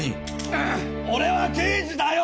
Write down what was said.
俺は刑事だよ！